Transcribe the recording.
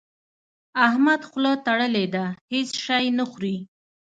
احمد خوله تړلې ده؛ هيڅ شی نه خوري.